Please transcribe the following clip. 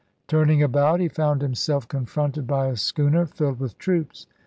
Turning about, he found himself confronted by a schooner filled with troops.